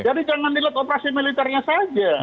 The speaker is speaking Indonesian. jadi jangan lihat operasi militernya saja